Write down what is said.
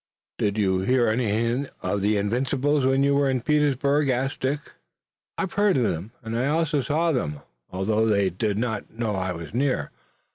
"Did you hear anything of the Invincibles when you were in Petersburg?" asked Dick. "I heard of them, and I also saw them, although they did not know I was near.